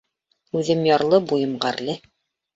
Үҙем ярлы, буйым ғәрле.